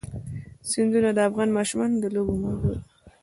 سیندونه د افغان ماشومانو د لوبو موضوع ده.